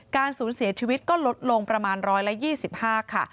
การสูญเสียชีวิตก็ลดลงประมาณ๑๒๕ค่ะ